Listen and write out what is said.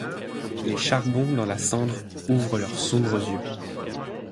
Les charbons dans la cendre ouvrent leurs sombres yeux.